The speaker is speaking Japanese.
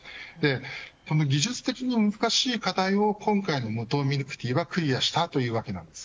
この技術的に難しい課題を今回の無糖ミルクティーはクリアしたというわけです。